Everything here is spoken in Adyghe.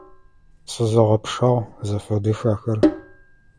Сызэгъэпшагъ, зэфэдых ахэр!